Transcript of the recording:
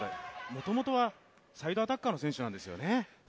もともとはサイドアタッカーの選手なんですよね。